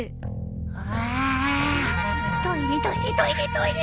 ああトイレトイレトイレ